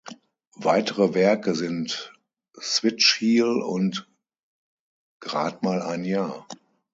Weitere Werke sind „Switch Heel“ und „Grad mal ein Jahr“.